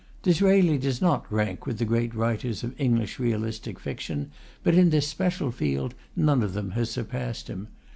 Disraeli does not rank with the great writers of English realistic fiction, but in this special field none of them has surpassed him.